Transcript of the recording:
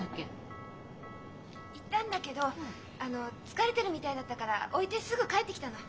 行ったんだけどあの疲れてるみたいだったから置いてすぐ帰ってきたの。